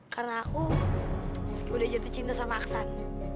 karena aku udah jatuh cinta sama aksan